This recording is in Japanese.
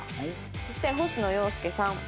そして星野陽介さん。